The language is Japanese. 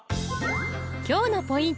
今日のポイント